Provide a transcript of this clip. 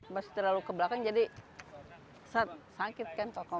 masih terlalu ke belakang jadi sakit kan tokoh